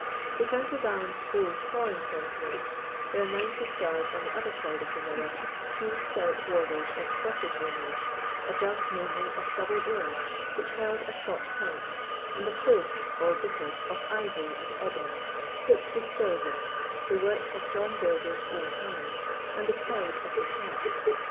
To counterbalance those foreign sentinels, there mounted guard on the other side of the mirror two stout warders of Scottish lineage; a jug, namely, of double ale, which held a Scotch pint, and a quaigh, or bicker, of ivory and ebony, hooped with silver, the work of John Girder's own hands, and the pride of his heart.